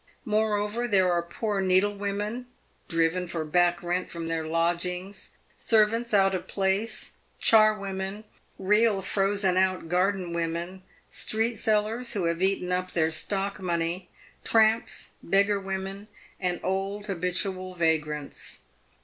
Moreover, there are poor needlewomen, driven for " back rent" from their lodgings ; servants out of place ; charwomen; real "frozen out" garden women; street sellers, who , have eaten up their stock money ; tramps ; beggar women ; and ol^J habitual vagrants.